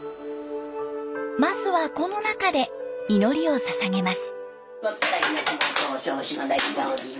まずはこの中で祈りをささげます。